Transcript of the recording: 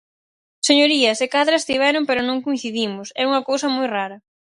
Señorías, se cadra estiveron pero non coincidimos, é unha cousa moi rara.